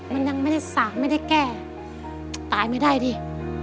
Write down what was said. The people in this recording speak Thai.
มันยังไม่ได้สากไม่ได้แก้ตายไม่ได้ดิ